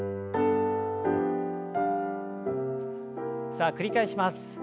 さあ繰り返します。